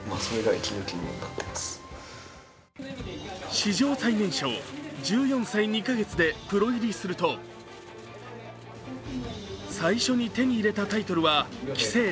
史上最年少、１４歳２か月でプロ入りすると最初に手に入れたタイトルは棋聖。